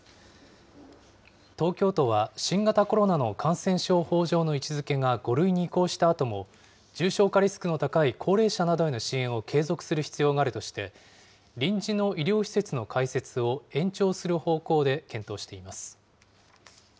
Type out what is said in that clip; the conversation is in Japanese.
東京都は、新型コロナの感染症法上の位置づけが５類に移行したあとも、重症化リスクの高い高齢者などへの支援を継続する必要があるとして、臨時の医療施設の開設を延長する方向で検討しています。